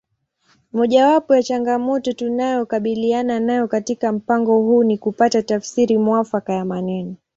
Mojawapo ya changamoto tunayokabiliana nayo katika mpango huu ni kupata tafsiri mwafaka ya maneno